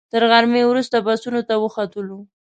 تر غرمې وروسته بسونو ته وختلو.